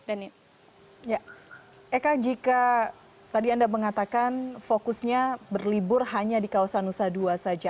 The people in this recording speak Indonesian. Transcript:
eka jika tadi anda mengatakan fokusnya berlibur hanya di kawasan nusa dua saja